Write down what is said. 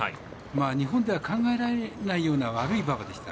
日本では考えられないような悪い馬場でした。